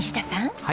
はい。